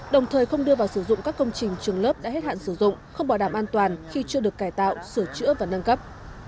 đồng thời không đưa vào sử dụng các công trình trường lớp đã hết hạn sử dụng không bảo đảm an toàn khi chưa được cải tạo sửa chữa và nâng cấp